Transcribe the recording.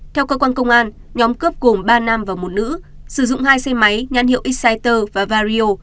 theo cơ quan công an nhóm cướp gồm ba nam và một nữ sử dụng hai xe máy nhãn hiệu exciter và vario